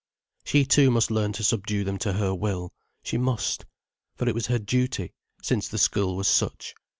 She too must learn to subdue them to her will: she must. For it was her duty, since the school was such.